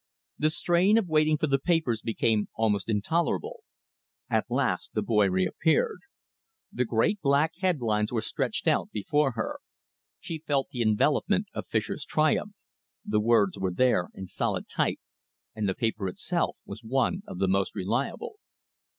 The strain of waiting for the papers became almost intolerable. At last the boy reappeared. The great black headlines were stretched out before her. She felt the envelopment of Fischer's triumph. The words were there in solid type, and the paper itself was one of the most reliable.